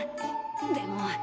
でも。